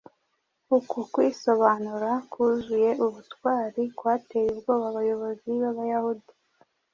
Uku kwisobanura kuzuye ubutwari kwateye ubwoba abayobozi b’Abayahudi.